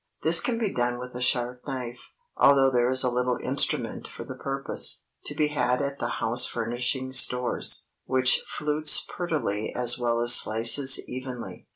This can be done with a sharp knife, although there is a little instrument for the purpose, to be had at the house furnishing stores, which flutes prettily as well as slices evenly.